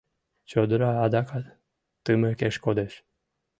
Чодыра адакат тымыкеш кодеш.